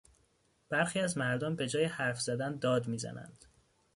برخی از مردم به جای حرف زدن داد میزنند.